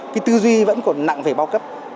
cái tư duy vẫn còn nặng về bao cấp